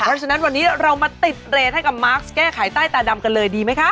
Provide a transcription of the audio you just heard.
เพราะฉะนั้นวันนี้เรามาติดเรทให้กับมาร์คแก้ไขใต้ตาดำกันเลยดีไหมคะ